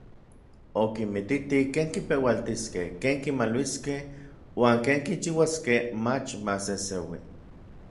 Okinmititi ken kipeualtiskej, ken kimaluiskej uan ken kichiuaskej mach maseseui.